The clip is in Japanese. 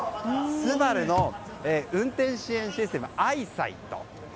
ＳＵＢＡＲＵの運転支援システムアイサイト。